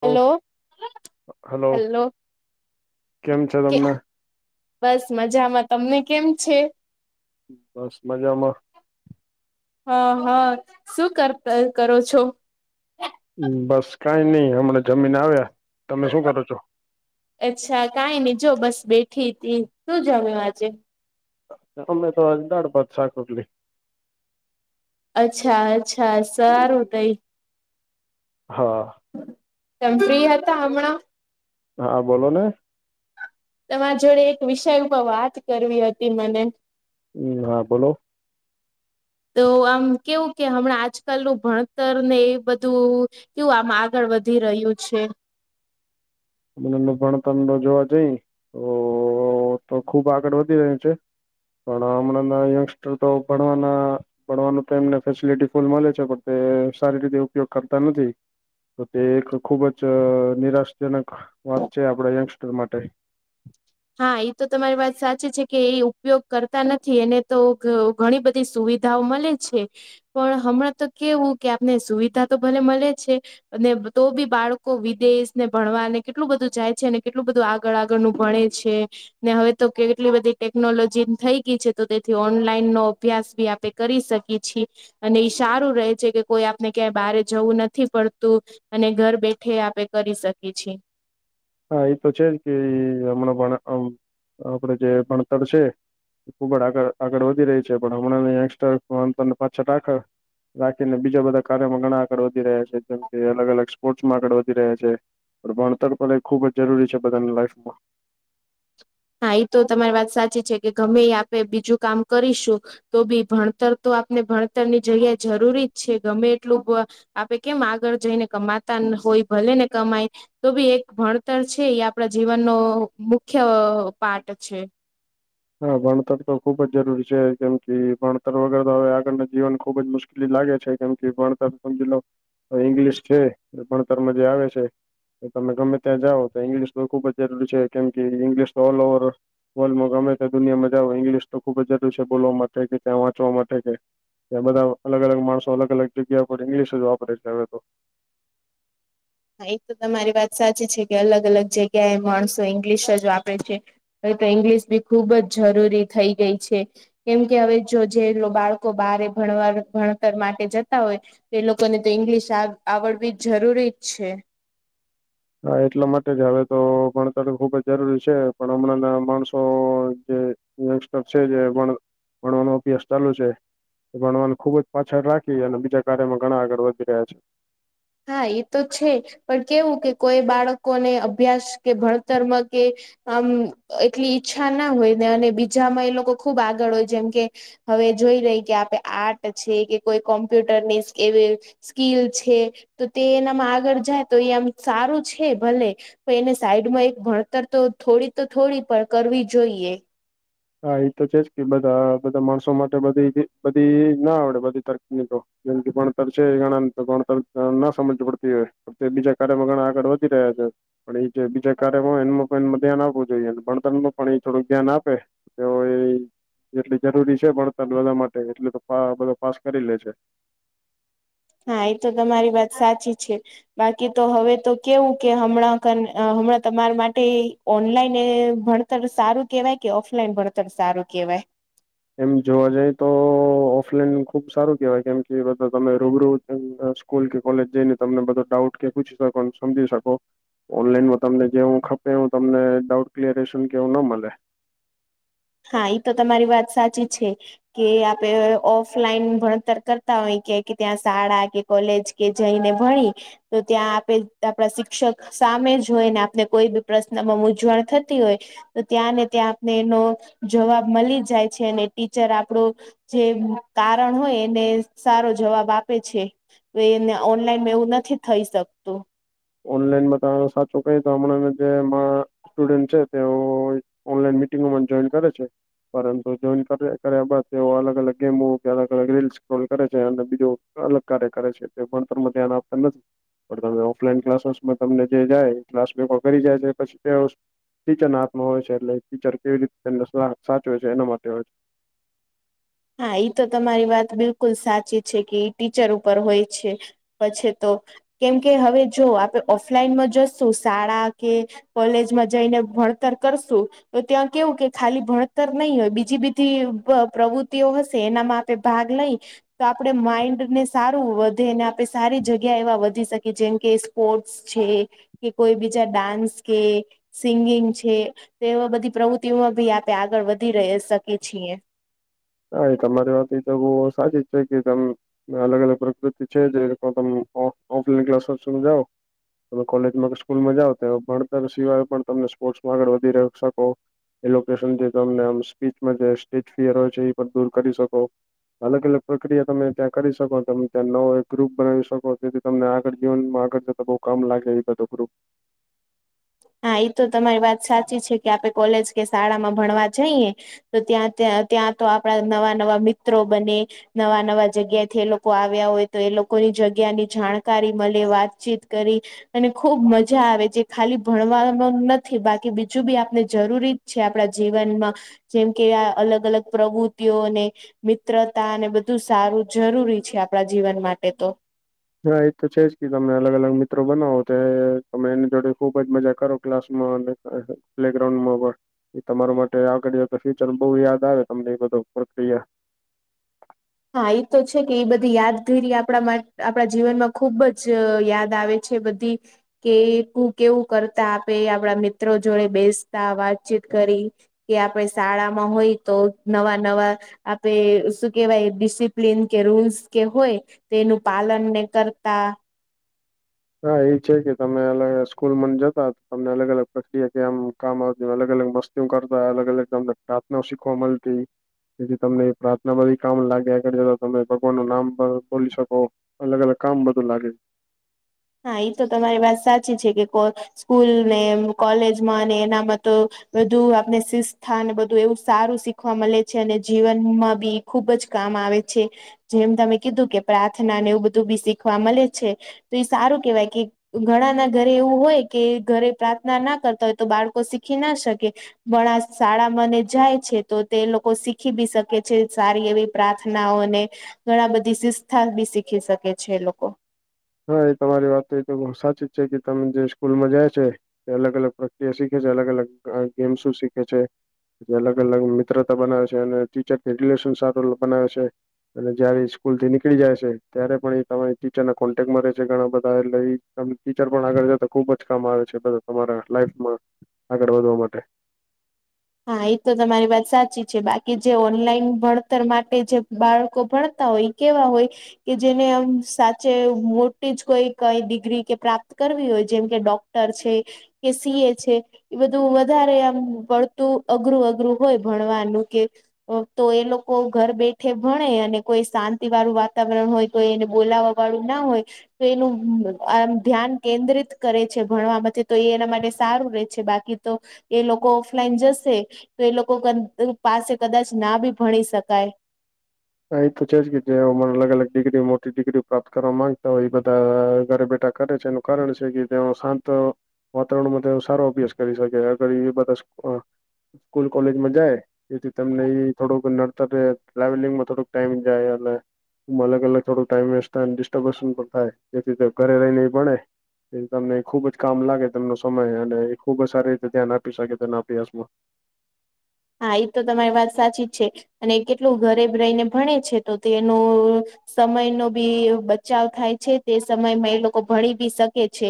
Hello hello કેમ છે કે તમને બસ મજામાં તમને કેમ છે. બસ મજામાં. હા હા શું કર ત કરો છો? બસ કઈ નહી હમણાં જમીને આવ્યા તમે શું કરો છો. અચ્છા કાઈ ને જો બસ બેઠી તી શું જમ્યું આજે. એતો મેતો આજ દાળ ભાત, શાક રોટલી. અચ્છા-અચ્છા સારું તઈ. હા. તેમ ફ્રી હતા હમણાં. હા બોલો ને. તમારા જોડે એક વિષય ઉપર વાત કરવી હતી મને. હમ્મ હા બોલો. તો આમ કેવું કે હમણાં આજકાલ નુ ભણતર ને એ બધું. કેવું આમ આગળ વધી રહ્યું છે. ને એમનું ભણતરનુ જોવા જઈ તો તો ખુબ આગળ વધી રહ્યું છે. પણ હમણાં ના યંગસ્ટર તો ભણવાના ભણવાનું તો એમને ફેસિલટી ફૂલ મળે છે પણ તે સારી રીતે ઉપયોગ કરતા નથી. તો તે એક ખુબ જ નિરાશાજનક વાત છે આપડા યંગસ્ટર માટે. હા એ તો તમારી વાત સાચી છે કે એ ઉપયોગ કરતા નથી એને તો. ઘણી બધી સુવિધાઓ મલે છે. પણ હમણાં તો કેવું કે આપને સુવિધા તો ભલે મલે છે. અને તો બી બાળકો વિદેશને ભણવાને કેટલું બધું જાય છે અને કેટલું બધું આગળ આગળનું ભણે છે. ને હવે તો કેટલી બધી ટેકનોલોજી થઈ ગઈ છે તો તેથી ઓનલાઈન નો અભ્યાસ બી આપે. કરી શકી છી અને ઈ સારું રહે છે કે કોઈ આપને ક્યાંય બહારે જવું નથી પડતું. અને ઘર બેઠે આપે કરી શકીએ છીએ. હા એ તો છે જ કે હમણાં ભ આપડ જે ભણતર છે ખૂબ જ આગળ આગળ વધી રહી છે પણ હમણાં યંગસ્ટરને ફોન પાછળ. [unintelligible] રાખીને બીજા બધા કાર્યોમાં ઘણા આગળ વધી રહ્યા છે જેમ કે અલગ-અલગ સ્પોર્ટ્સમાં આગળ વધી રહ્યા છે. પણ ભણતર ભલે ખુબ જ જરૂરી છે બધાની લાઈફમાં. હા એ તો તમારી વાત સાચી છે કે ગમે એ આપે બીજું કામ કરીશું. તો ભી ભણતર તો આપને ભણતરની જગ્યા જરૂરી જ છે ગમે એટલું બ આપે કેમ આગળ જઈને કમાતા હોય ભલે ને કમાય. તો ભી એક ભણતર છે એ આપણા જીવનનો મુખ્ય પાર્ટ છે. હા ભણતર તો ખુબ જ જરૂરી છે કેમ કે ભણતર વગર તો હવે આગળના જીવન ખુબ જ મુશ્કે કેલી લાગે છે કેમ કે ભણતર સમજીલો ઇંગ્લિશ છે ભણતરમાં જે આવે છે. તમે ગમે ત્યાં જાઓ તો ઇંગ્લિશ તો ખુબ જ જરૂરી છે કેમ કે ઇંગ્લિશ તો ઓલ ઓવર, વર્લ્ડમાં ગમે તે દુનિયામાં જાવ ઇંગ્લિશ તો ખુબ જરૂરી છે, બોલવા માટે કે ત્યાં વાંચવા માટે કે. ત્યાં બધા અલગ-અલગ માણસો અલગ-અલગ જગ્યા પર ઇંગ્લિશ જ વાપરે છે હવે તો. હા એક તો તમારી વાત સાચી છે કે અલગ-અલગ જગ્યાએ માણસો ઇંગ્લિશ જ વાપરે છે. હવે તો ઇંગ્લિશ બી ખુબ જ જરૂરી થઈ ગઈ છે. કેમ કે હવે જો જે બાળકો બારે ભણવાર ભણતર માટે જતા હોય. એ લોકોને તો ઈંગ્લિશ આવ આવડવી જ જરૂરી જ છે. હા એટલા માટે જ હવે તો ભણતર ખુબ જ જરૂરી છે પણ હમણાં ના માણસો જે, યંગસ્ટર છે જે પણ ભણવાનો અભ્યાસ ચાલુ છે. ભણવાને ખુબ જ પાછળ રાખી અને બીજા કાર્યમાં ઘણા આગળ વધી રહ્યા છે. હા એ તો છે પણ કેવું કે કોઈ બાળકોને અભ્યાસ કે ભણતરમાં કે, આમ એટલી ઈચ્છા ના હોય ને અને બીજામાં એ લોકો ખુબ આગળ હોય જેમ કે, હવે જોઈ રહી કે, આપે આર્ટ છે કે કોઈ કોમ્પ્યુટર ની સ્કીલ, સ્કીલ છે તો તે એનામાં આગળ જાય તો એ આમ સારું છે ભલે, તો એને સાઈડમાં એક ભણતર તો થોડી તો થોડી પણ કરવી જોઈએ. હા એ તો છે જ કે બધા બધા માણસો માટે બધી બધી ના આવડે બધી તકનીકો, જેમકે ભણતર છે એ ગણ તો ભણતર ના સમજ પડતી હોય. તે બીજા કાર્યમાં ઘણા આગળ વધી રહ્યા છે. પણ એ જે બીજા કાર્ય હોય એ પણ એ ધ્યાન આપવું જોઈએ ભણતર માં પણ એ થોડુંક ધ્યાન આપે, તો એ, એટલી જરૂરી છે ભણતર બધા માટે એટલે તો બધા પાસ કરી લે છે. હા એ તો તમારી વાત સાચી છે. બાકી તો હવે તો કેવું કે, હમણાં ક હમણાં તમારા માટે, ઓનલાઈન ભણતર સારું કેવાય, કે ઓફલાઈન ભણતર સારું કેવાય. એમ જોવા જઈ તો, ઓફલાઈન ખૂબ સારું કહેવાય કેમ કે બધા તમે રૂબરૂ સ્કૂલ કે કોલેજ જઈને તમને બધો ડાઉટ, કે પૂછી શકો સમજી શકો. ઓનલાઈનમાં તમને જેવું ખપેું તમને ડાઉટ ક્લયરેશન કે એવું ન મળે. હા એ તો તમારી વાત સાચી છે. કે આપે ઓફલાઈન ભણતર કરતા હોય કે કે ત્યાં શાળા કે, કોલેજ કે જઈને ભણી તો ત્યાં આપે આપણાં શિક્ષક, સામે જ હોય ને આપને કોઈ બી પ્રશ્નમાં મૂઝવણ થતી હોય. તો ત્યાં ને ત્યાં આપને એનો જવાબ મળી જાય છે અને ટીચર આપણું, જે કારણ હોય એને સારો જવાબ આપે છે. એને ઓનલાઈન એવું નથી થઈ શકતું. ઓનલાઈનમાં ત સાચુ ક્યું તમણા જે હમ સ્ટુડન્ટ છે તેઓ ઓનલાઈન મિટિંગમાં જોઈન કરે છે. પરંતુ જોઈન કર્યા બાદ તેઓ અલગ-અલગ ગેમો કે અલગ-અલગ રીલ સ્ક્રોલ કરે છે અને બીજું અલગ કાર્ય કરે છે તે પણ તર ધ્યાન આપતા નથી પણ તમે ઓફલાઈન ક્લાસ ક્લાસ તમને જે જાય ક્લાસ ભેગો કરી જાય છે પછી ટીચરના હાથમાં હોય છે એટલે ટીચર કેવી રીતેને સા સાચવે છે એના માટે હોય છે. હા ઈ તો તમારી વાત બિલકુલ સાચી છે કે ટીચર ઉપર હોય છે. પછે તો કેમકે હવે જો આપણે ઓફલાઈનમાં જશું શાળા કે કોલેજમાં જઈને ભણતર કરશું. તો ત્યાં કેવું કે ખાલી ભણતર નહી હોય બીજી બીધી પ્રવુ તીઓ હશે એના માપે ભાગ લઈ. તો આપડે માઈન્ડને સારું વધેને આપણે સારી જગ્યા એવા વધી શકીએ જેમ કે સ્પોર્ટ્સ છે કે કોઈ બીજા ડાન્સ કે સિંગિંગ છે તો એવા બધી પ્રવૃત્તિઓમાં ભી આપે આગળ ર વધી શકીએ છીએ. હા એ તમારી વાત ભી તો બહું સાચી જ છે કે તમ અલગ-અલગ પ્રકૃતિ છે જે તમે ઓ ઓફલાઈન ક્લાસમાં જાવ. કોલેજમાં કે સ્કૂલ માં જાવ તો ભણતર સિવાય પણ તને સ્પોર્ટ્સમાં આગળ વધી ર શકો. એ લોકેશન જે તમને આમ સ્પીચમાં જે સ્ટેજ ફિયર હોય છે એ પણ દૂર કરી શકો. અલગ-અલગ પ્રક્રિયા તમે ત્યાં કરી શકો તમે ત્યાં નવો એક ગ્રુપ બનાવી શકો જેથી તમને આગળ જીવનમાં આગળ તો બઉ કામ લાગે એ બધું ગ્રુપ. હા એ તો તમારી વાત સાચી છે કે આપે કોલેજ કે શાળામાં ભણવા જઈએ તો ત્યાં ત્યાં ત્યાં તો આપણા નવા નવા મિત્રો બને. નવા-નવા જગ્યાથી એ લોકો આવ્યા હોય તો એ લોકોની જગ્યાની જાણકારી મળે વાતચીત કરી અને ખુબ મજા આવે જે ખાલી ભણવાનું નથી બાકી બીજું બી આપણે જરૂરી છે આપણા જીવનમાં. જેમ કે આ અલગ અલગ પ્રવૃતિઓને અને મિત્રતા અને બધું સારું જરૂરી છે આપણા જીવન માટે તો. હા એ તો છે જ કે તમને અલગ-અલગ મિત્રો બનાવો તો તમે એની જોડે ખુબ જ મજા કરો ક્લાસમાં અને પ્લેગ્રાઉન્ડ માં પણ. એ તમારો માટે આગળ જતા ફ્યુચર બહુ યાદ આવે તમને એ બધો પ્રક્રિયા. હા એ તો છે કે એ બધી યાદગીરી આપણા આપણા જીવનમાં ખુબ જ યાદ આવે. છે બધી. કે કુ કેવું કરતા આપે આપડા મિત્રો જોડે બેસતા વાતચીત કરી. કે આપણે શાળામાં હોય તો નવા-નવા આપે શું કેવાય ડિસિપ્લીન કે રૂલ્સ કે હોય તેનું પાલન ને કરતા. હા એ છે કે તમે અલગ સ્કૂલમા ને જતા તમને અલગ- અલગ પ્રક્રિયા કે આમ કામ આવતી અલગ-અલગ વસ્ત હુ કરતા અલગ-અલગ તમને પ્રાર્થનાઓ શીખવા મળતી. જેથી તમને એ પ્રાર્થના બધી બી કામ લાગે આગળ જતા તમે ભગવાન નું નામ પણ બોલી શકો. અલગ-અલગ કામ બધું લાગે. હા એ તો તમારી વાત સાચી છે કે કો સ્કૂલને, કોલેજમાં અને એનામાં તો બધું આપને શિસ્થાને બધું એવું સારું શીખવા મળે છે અને જીવનમાં બી ખુબ જ કામ આવે છે. જેમ તમે કીધું કે પ્રાર્થના ને એવું બધું બી શીખવા મળે છે તો એ સારું કેવાય કે ઘણા ના ઘરે એવું હોય કે ઘરે પ્રાર્થના ના કરતા હોય તો બાળકો શીખી ના શકે. ઘણાં શાળામા ને જાય છે તો તે લોકો શીખી બી શકે છે સારી એવી પ્રાર્થનાઓને ઘણા બધી શિસ્થા બી શીખી શકે છે એ લોકો. હા એ તમારી વાત તો એ તો બહું સાચી જ છે કે તમે જે સ્કૂલમાં જાય છે તે અલગ અલગ પ્રક્રિયા શીખે છે અલગ અલગ ગેમ્સ શીખે છે. જે અલગ-અલગ મિત્રતા બનાવે છે અને ટીચર [unintelligible] બનાવે છે. અને જયારે સ્કૂલ થી નીકળી જાય છે ત્યારે પણ એ તમારી ટીચર કોન્ટેકમાં રહે છે ઘણા બધા એટલે ટીચર પણ આગળ જતા ખુબ જ કામ આવે છે બધા તમારા લાઈફમાં આગળ વધવા માટે હા એ તો તમારી વાત સાચી છે બાકી જે ઓનલાઈન ભણતર માટે જે બાળકો ભણતા હોય. કેવા હોય. કે જેનેમ સાચે મોટી જ કોઈ કઈ ડિગ્રી કે પ્રાપ્ત કરવી હોય જેમ કે ડોક તર છે કે સી એ છે એ બધું વધારે આમ પર તું અઘરું અઘરું હોય ભણવાનું કે તો એ લોકો ઘર બેઠે ભણે અને કોઈ શાંતિ વાળું વાતાવરણ હોય. કોઈ એને બોલાવા વાળું ના હોય. તો એનું આમ ધ્યાન કેન્દ્રિત કરે છે ભણવા માટે તો એ એના માટે સારું રહે. બાકી તો એ લોકો. ઓલાઈન જશે તો એ લોકો પાસે કદાચ ના બી ભણી શકાય. હા એ તો છે જ કે જેને અલગ અલગ ડિગ્રી મોટી ડિગ્રીઓ પ્રાપ્ત કરવા માંગતા હોય એ બધા ઘરે બેઠા કરે છે. કારણ છે કે તેઓ શાંતો વાતાવરણમાં સારો અભ્યાસ કરી શકે આગળ એ બધા સ્કૂલ કોલેજમાં જાય એથી તમને એ થોડુંક નડતર ટ્રાવેલિંગમાં થોડુંક ટાઈમ જાય એલે. એમાં અલગ અલગ થોડું ટાઈઇ વ થાય ડિસ્ટર્બન્સન પણ થાય જેથી ઘરે રહી ને પડે. એ તમને ખુબ જ કામ લાગે તનો સમય અને ખુબ જ સારી રીતે ધ્યાન આપી શકે તેના અભ્યાસમાં હા એ તો તમારી વાત સાચી જ છે અને કેટલું ગરેબ રહીને ભણે છે તો તેનું સમય ન બી બચાવ થાય છે તે સમયમાં એ લોકો ભણી બી શકે છે.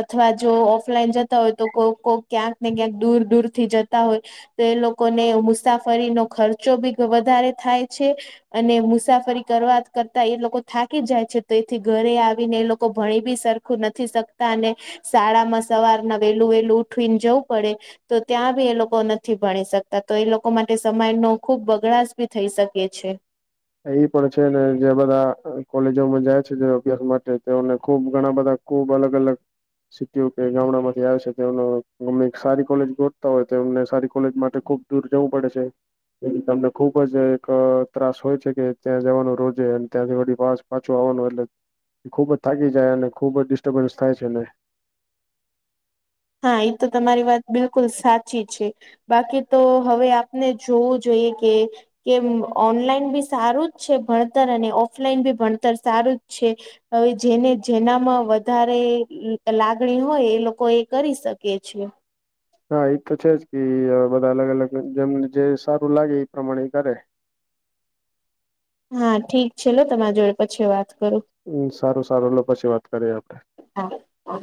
અથવા જો ઓફલાઈન જતા હોય તો કોઈ કો ક્યાંક ને ક્યાંક દૂર દૂરથી જતા હોય. તો એ લોકોને મુસાફરીનો ખર્ચો બી વધારે થાય છે. અને મુસાફરી કરવા કરતા એ લોકો થાકી જાય છે તો એથી ઘરે આવીને એ લોકો ભણી બી સર આખું નથી શકતા અને શાળામાં સવારના વેલું વેલું ઉઠવીને જવું પડે. તો ત્યાં બી એ લોકો નથી ભણી શકતા. ત તો એ લોકો માટે સમય નો ખુબ બગડાશ ભી થઈ શકે છે. એ પણ છે ને જે બધા કોલેજોમાં જાય છે અભ્યાસ માટે તેઓને ખુબ ઘણા બધા. ખૂબ અલગ અલગ સિટીઓ કે ગામડામાંથી આવે છે એ મમ્મે સારી કોલેજ ગોઠતા હોય તો એમને સારી કોલેજ માટે ખુબ દૂર જવું પડે છે એ તમને ખુબ જ એક ત્રાસ હોય. છે કે ત્યાં જવાનું રોજે ત્યાંથીી વાસ પાછું આવવાનું એટલે. એ ખુબ જ થાકી જાય અને ખુબ જ ડિસ્ટર્બન્સ થાય છે ને. હા એ તો તમારી વાત બિલકુલ સાચી છે. બાકી તો હવે આપને જોવું જોઈએ કે કે ઓનલાઈન બી સારું જ છે ભણતર અને ઓફલાઈન બી ભણતર સારું જ છે. હવે જેને જેનામાં વધારે લાગણી હોય એ લોકો એ કરી શકે છીએ. હા એ તો છે જ કે બધા અલગ અલગ જેમને જે સારું લાગે એ પ્રમાણે કરે હા ઠીક છે લ તમારા જોડે પછી વાત કરું. હમ સારું સારું લો પછી વાત કરીએ આપડે. હા હા.